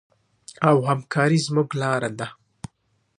او همکاري زموږ لاره ده.